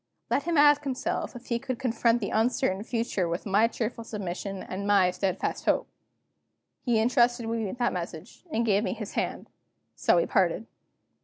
Let him ask himself if he could confront the uncertain future with my cheerful submission and my steadfast hope." He intrusted me with that message, and gave me his hand. So we parted.